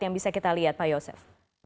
yang bisa kita lihat pak yosef